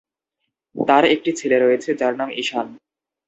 তার একটি ছেলে রয়েছে, যার নাম ঈশান।